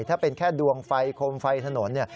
ถ้าเป็นแค่ดวงไฟโคมไฟถนน